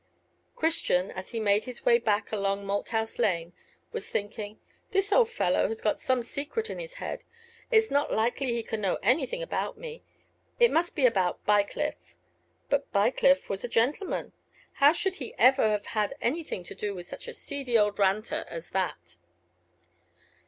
Christian, as he made his way back along Malthouse Lane, was thinking, "This old fellow has got some secret in his head. It's not likely he can know anything about me: it must be about Bycliffe. But Bycliffe was a gentleman: how should he ever have had anything to do with such a seedy old ranter as that?"